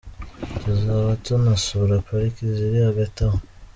Tuzaba tunasura pariki ziri hagati aho.